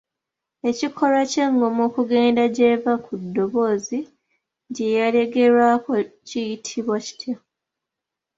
Ekikolwa ky'engoma okugenda ng'eva ku ddoboozi lye yaleegerwako kiyitibwa?